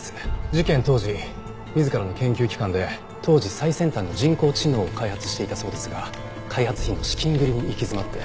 事件当時自らの研究機関で当時最先端の人工知能を開発していたそうですが開発費の資金繰りに行き詰まって。